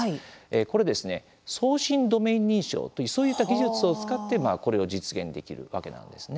これ、送信ドメイン認証というそういった技術を使ってこれを実現できるわけなんですね。